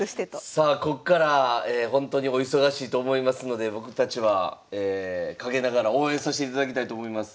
さあこっからほんとにお忙しいと思いますので僕たちは陰ながら応援さしていただきたいと思います。